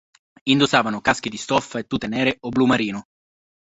Indossavano caschi di stoffa e tute nere o blu marino.